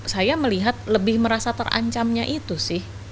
saya melihat lebih merasa terancamnya itu sih